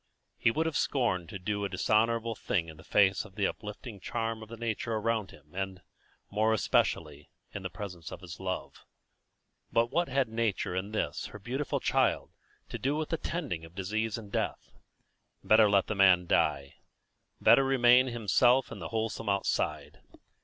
He would have scorned to do a dishonourable thing in the face of the uplifting charm of the nature around him, and, more especially, in the presence of his love; but what had nature and this, her beautiful child, to do with the tending of disease and death? Better let the man die; better remain himself in the wholesome outside.